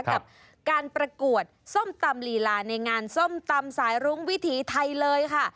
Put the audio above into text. กับการประกวดส้มตำลีลาในงานส้มตำสายรุ้งวิถีไทยเลยค่ะ